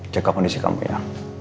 cek kondisi kamu ya